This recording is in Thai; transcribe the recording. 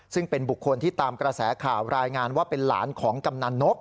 ซึ่งเป็นบุคคลที่ตามกระแสข่าวรายงานว่าเป็นหลานของกำนันนก